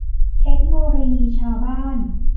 เทคโนโลยีชาวบ้าน